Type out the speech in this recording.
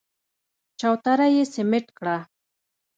چوتره يې سمټ کړه.